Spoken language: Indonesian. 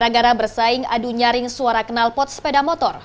negara negara bersaing adu nyaring suara kenal pot sepeda motor